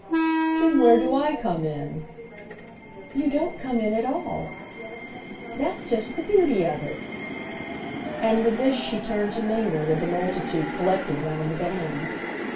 "Then where do I come in?" "You don't come in at all. That's just the beauty of it!"—and with this she turned to mingle with the multitude collected round the band.